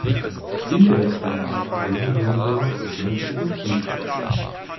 Interstellare Reisen werden wohl noch lange Zukunftsmusik bleiben.